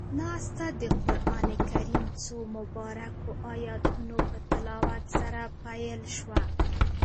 ناسته د قرآن کريم څو مبارکو آیتونو پۀ تلاوت سره پيل شوه.